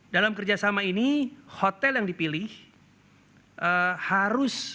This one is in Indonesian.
dalam kerjasama ini hotel yang dipilih harus